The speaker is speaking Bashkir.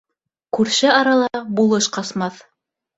Күрше арала булыш ҡасмаҫ